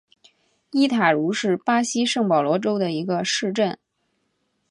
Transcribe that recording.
伊塔茹是巴西圣保罗州的一个市镇。